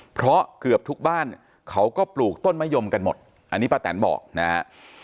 เพราะเกือบทุกบ้านเขาก็ปลูกต้นมะยมกันหมดอันนี้ป้าแตนบอกนะฮะ